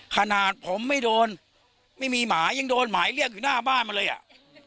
ขนาดผมไม่โดนไม่มีหมายังโดนหมายเรียกอยู่หน้าบ้านมาเลยอ่ะ